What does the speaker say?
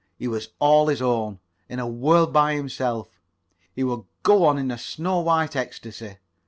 He was all his own, in a world by himself. He would go on in a snow white ecstasy.